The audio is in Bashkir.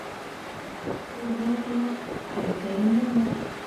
Турғай тулап, кәртә емермәҫ.